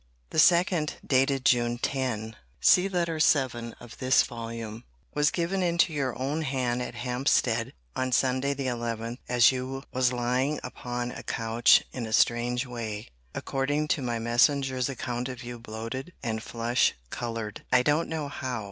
* See Vol. V. Letter XX. The second, dated June 10,* was given into your own hand at Hampstead, on Sunday the 11th, as you was lying upon a couch, in a strange way, according to my messenger's account of you, bloated, and flush coloured; I don't know how.